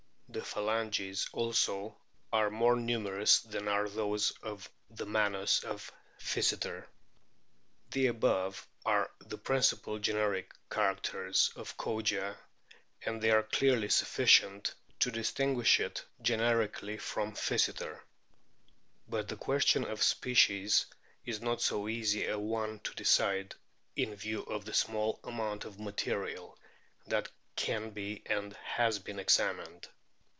The phalanges also are more numerous than are those of the manus of Physeter. The above are the principal generic characters of Kogia, and they are clearly sufficient to distinguish it generically from Physeter. But the question of species is not so easy a one to decide, in view of the small amount of material that can be and has been examined.